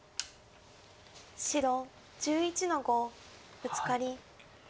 白１１の五ブツカリ。